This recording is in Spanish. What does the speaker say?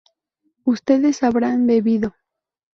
ustedes habrán bebido